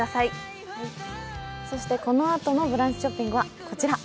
そしてこのあとのブランチショッピングはこちら。